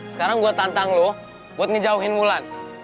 sekarang gue tantang lo buat ngejauhin wulan